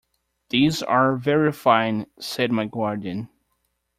"These are very fine," said my guardian.